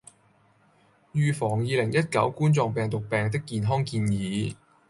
預防二零一九冠狀病毒病的健康建議